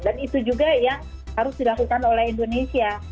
dan itu juga yang harus dilakukan oleh indonesia